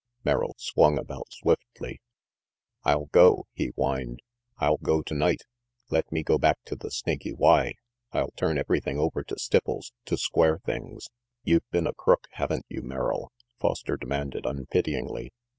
Merrill swung about swiftly. "I'll go," he whined. "I'll go tonight. Let me go back to the Snaky Y. I'll turn everything over to Stipples, to square things." "You've been a crook, haven't you, Merrill!" Foster demanded unpityingly.